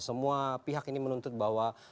semua pihak ini menuntut bahwa